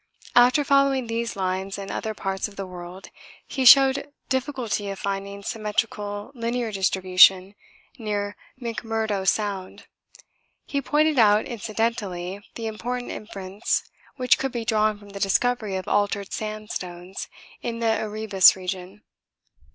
After following these lines in other parts of the world he showed difficulty of finding symmetrical linear distribution near McMurdo Sound. He pointed out incidentally the important inference which could be drawn from the discovery of altered sandstones in the Erebus region.